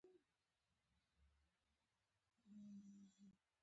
یووالی د تفاهم ثمره ده.